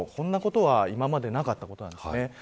こんなことは今までなかったことです。